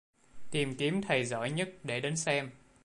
Tìm kiếm thầy giỏi nhất để đến xem